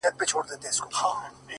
پر تندي يې شنه خالونه زما بدن خوري؛